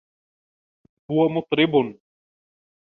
هو مطرب.